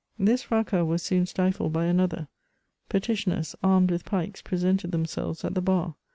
This fracas was soon stifled by another ; petitioners, armed with pikes, presented themselves at the bar.